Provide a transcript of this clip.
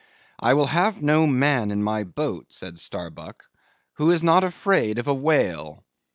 "I will have no man in my boat," said Starbuck, "who is not afraid of a whale."